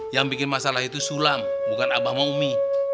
yang bikin masalah itu sulam bukan abah sama umi